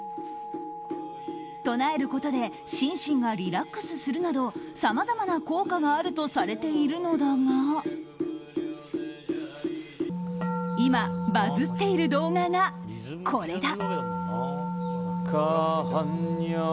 唱えることで心身がリラックスするなどさまざまな効果があるとされているのだが今、バズっている動画がこれだ。